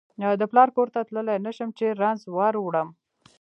د پلار کور ته تللای نشم چې رنځ وروړم